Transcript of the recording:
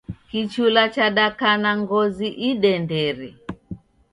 Kichula chadaka na ngozi idendere